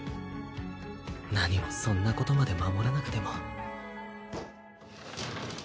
何もそんなことまで守らなくても。